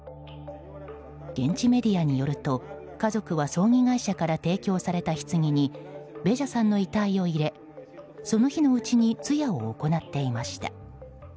現地メディアによると家族は、葬儀会社から提供されたひつぎにベジャさんの遺体を入れその日のうちに通夜を行っていました。